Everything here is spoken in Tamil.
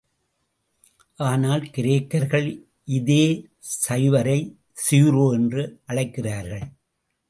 ஆனால், கிரேக்கர்கள் இதே சைபரை சீரோ என்று அழைக்கிறார்கள்.